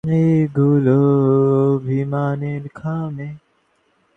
এখন না দেখিতে গেলে তাহারা কী মনে করিবে।